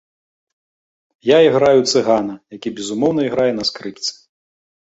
Я іграю цыгана, які, безумоўна, іграе на скрыпцы.